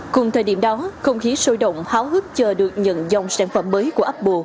cùng thời điểm đó không khí sôi động háo hức chờ được nhận dòng sản phẩm mới của apple